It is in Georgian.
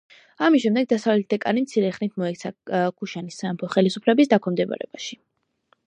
ამის შემდეგ დასავლეთ დეკანი მცირე ხნით მოექცა ქუშანის სამეფოს ხელისუფლების დაქვემდებარებაში.